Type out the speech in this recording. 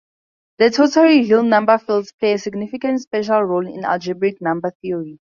The totally real number fields play a significant special role in algebraic number theory.